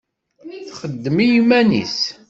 Txeddem i yiman-nnes.